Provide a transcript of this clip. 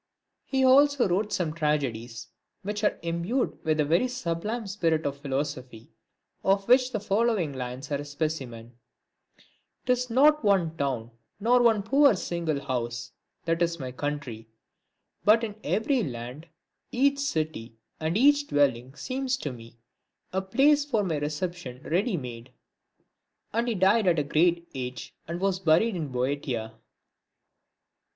He also wrote some tragedies, which are imbued with a very sublime spirit of philosophy, of which the following lines are a specimen :— "Tis not one town, nor one poor single house, That is my country ; but in every land Each city and each dwelling seems to me, A place for my reception ready made. And he died at a great age, and was buried in Boaotia.